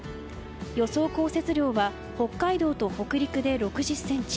予想降雪量は北海道と北陸で６０ｃｍ。